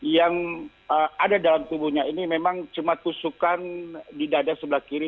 yang ada dalam tubuhnya ini memang cuma tusukan di dada sebelah kiri